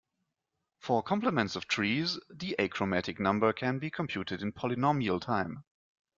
For complements of trees, the achromatic number can be computed in polynomial time.